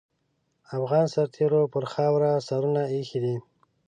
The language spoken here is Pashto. افغان سرتېرو پر خاوره سرونه اېښي دي.